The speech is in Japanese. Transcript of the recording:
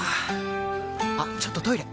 あっちょっとトイレ！